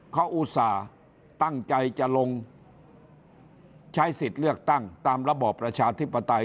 เขาอุตส่าห์ตั้งใจจะลงใช้สิทธิ์เลือกตั้งตามระบอบประชาธิปไตย